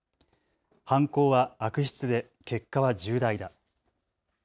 犯行は悪質で結果は重大だ。